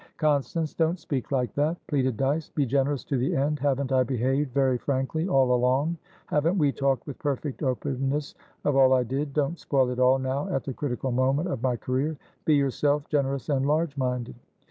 "Constance, don't speak like that!" pleaded Dyce. "Be generous to the end! Haven't I behaved very frankly all along? Haven't we talked with perfect openness of all I did? Don't spoil it all, now at the critical moment of my career. Be yourself, generous and large minded!"